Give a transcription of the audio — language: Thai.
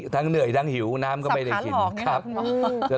ทั้งเหนื่อยทั้งหิวสับผัสหลอกอย่างนี้ครับคุณหมอ